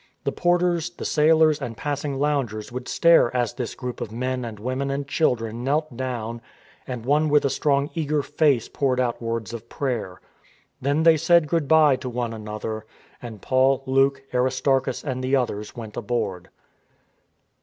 The porters, the sailors, and passing loungers would stare as this group of men and women and children knelt down, and one with a strong eager face poured out words of prayer. Then they said " Good bye " to one another, and Paul, Luke, Aris tarchus, and the others went aboard.